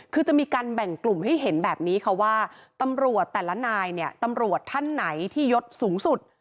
คือจะมีการแบ่งกลุ่มให้เห็นแบบนี้ค่ะว่าตำรวจแต่ละนายเนี่ยตำรวจท่านไหนที่ยศสูงสุด